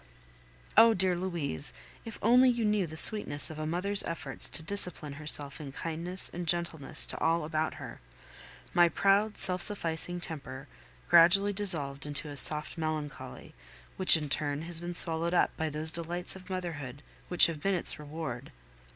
Oh, dear Louise, if only you knew the sweetness of a mother's efforts to discipline herself in kindness and gentleness to all about her! My proud, self sufficing temper gradually dissolved into a soft melancholy, which in turn has been swallowed up by those delights of motherhood which have been its reward.